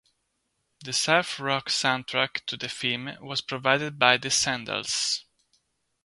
The surf rock soundtrack to the film was provided by The Sandals.